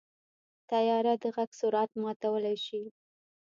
طیاره د غږ سرعت ماتولی شي.